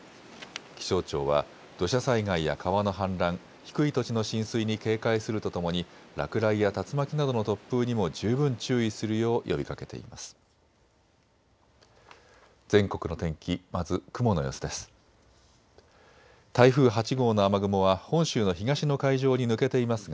気象庁は土砂災害や川の氾濫、低い土地の浸水に警戒するとともに落雷や竜巻などの突風にも十分注意するよう呼びかけています。